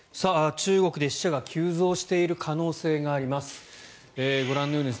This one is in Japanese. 中国で死者が急増している可能性があります。